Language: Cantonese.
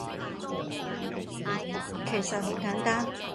其實好簡單